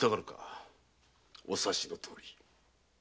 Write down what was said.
お察しのとおり。